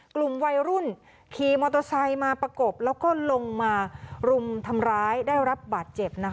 กลุ่มวัยรุ่นขี่มอเตอร์ไซค์มาประกบแล้วก็ลงมารุมทำร้ายได้รับบาดเจ็บนะคะ